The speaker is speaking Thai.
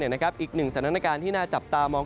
อีกหนึ่งสถานการณ์ที่น่าจับตามอง